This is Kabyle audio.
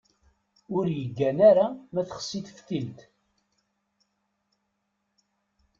Ur yeggan ara ma texsi teftilt.